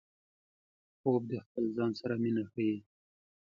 خوب د خپل ځان سره مینه ښيي